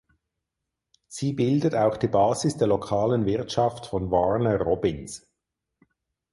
Sie bildet auch die Basis der lokalen Wirtschaft von Warner Robins.